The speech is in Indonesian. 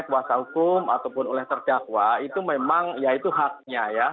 kuasa hukum ataupun oleh terdakwa itu memang ya itu haknya ya